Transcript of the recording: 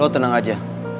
lo tenang aja